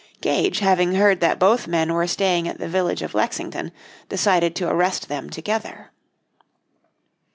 Gage having heard that both men were staying at the village of Lexington decided to arrest them together.